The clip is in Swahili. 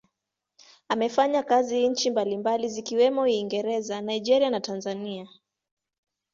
Amefanya kazi nchi mbalimbali zikiwemo Uingereza, Nigeria na Tanzania.